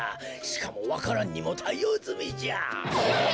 しかもわか蘭にもたいおうずみじゃ。え！？